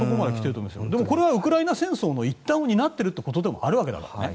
これはウクライナ戦争の一端を担っているということでもあるからね。